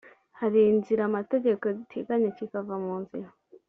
hari inzira amategeko ateganya kikava mu nzira